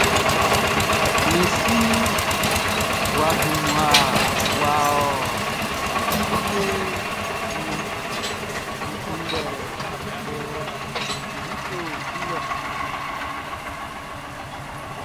Mi si wʼa dun mmua wʼa ɔ fieʼn nun N kunndɛli kɛ e nin i é kɔ́.